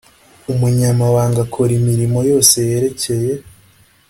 Umunyamabanga akora imirimo yose yerekeye